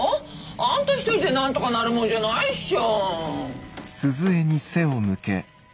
あんた一人でなんとかなるもんじゃないっしょ。